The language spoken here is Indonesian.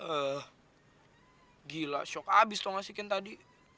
eh gila shock abis tau gak sih ken tadi